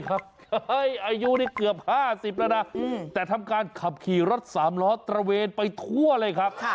อายุนี่เกือบ๕๐แล้วนะแต่ทำการขับขี่รถสามล้อตระเวนไปทั่วเลยครับ